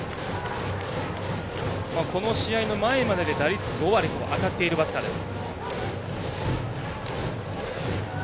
この試合の前までで打率５割と当たっているバッターです。